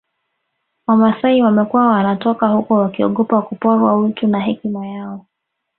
Wamasai wamekuwa wanatoka huko wakiogopa kuporwa utu na hekima yao